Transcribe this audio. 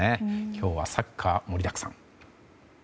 今日はサッカーもりだくさん。